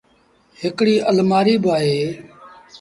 هڪڙيٚ المآريٚ با اهي۔